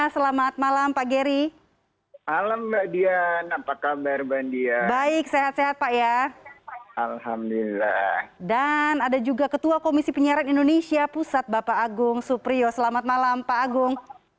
selamat malam mbak dian sihat selalu juga buat untuk pemerintah prn